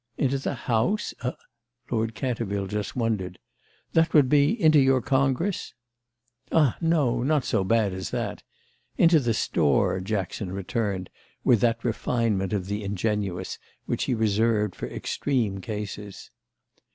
"Into the House—a—?" Lord Canterville just wondered. "That would be into your Congress?" "Ah no, not so bad as that. Into the store," Jackson returned with that refinement of the ingenuous which he reserved for extreme cases.